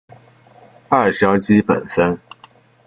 二硝基苯酚